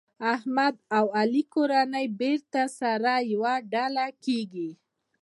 د احمد او علي کورنۍ بېرته سره یوه ډله کېږي.